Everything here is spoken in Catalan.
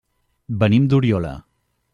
Venim d'Oriola.